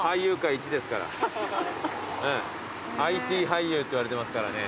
ＩＴ俳優っていわれてますからね。